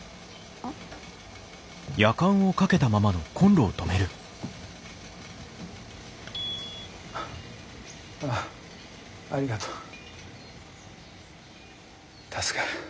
ああありがとう助かる。